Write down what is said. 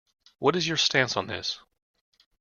What is your stance on this?